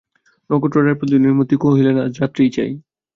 নক্ষত্ররায় প্রতিধ্বনির মতো কহিলেন, আজ রাত্রেই চাই।